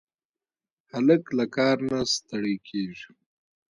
هلک له کاره نه ستړی کېږي.